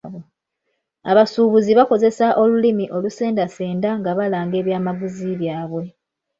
Abasuubuzi bakozesa olulimi olusendasenda nga balanga ebyamaguzi byaabwe.